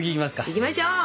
いきましょう！